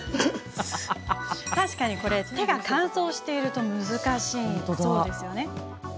確かに手が乾燥していると難しそうです。